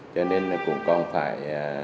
cho nên cũng còn phải